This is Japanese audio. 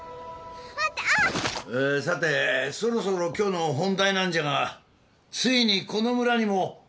さてそろそろ今日の本題なんじゃがついにこの村にもおらだおらだ詐欺の